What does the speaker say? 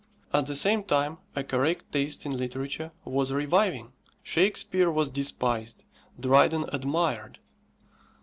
At the same time a correct taste in literature was reviving. Shakespeare was despised, Dryden admired.